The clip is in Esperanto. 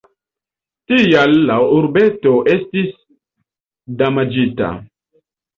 Tial la urbeto estis damaĝita.